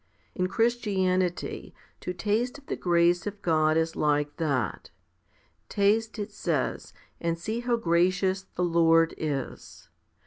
In Christianity, to taste of the grace of God is like that. Taste, it says, and see how gracious the Lord is.